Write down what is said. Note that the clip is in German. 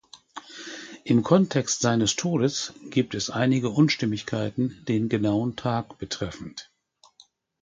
Im Kontext seines Todes gibt es einige Unstimmigkeiten den genauen Tag betreffend.